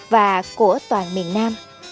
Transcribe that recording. và của toàn miền nam